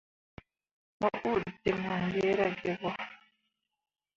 Mo uu diŋ ah lira gin bo.